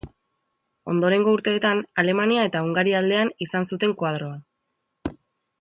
Ondorengo urteetan Alemania eta Hungaria aldean izan zuten koadroa.